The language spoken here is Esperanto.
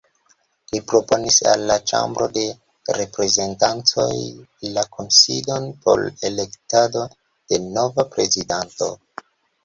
Li proponis al la Ĉambro de Reprezentantoj la kunsidon por elektado de nova prezidanto.